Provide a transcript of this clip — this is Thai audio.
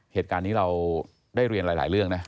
เหตุการณ์นี้เราได้เรียนหลายเรื่องนะ